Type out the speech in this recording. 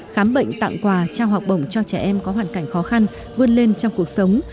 khám bệnh tặng quà trao học bổng cho trẻ em có hoàn cảnh khó khăn vươn lên trong cuộc sống